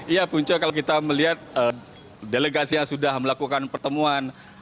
ya punca kalau kita melihat delegasi yang sudah melakukan pertemuan